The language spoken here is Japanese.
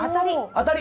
当たり！